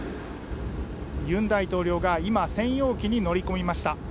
尹大統領が今、専用機に乗り込みました。